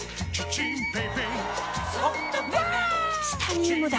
チタニウムだ！